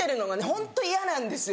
ホント嫌なんですよ！